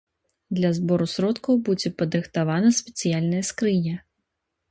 Для збору сродкаў будзе падрыхтавана спецыяльная скрыня.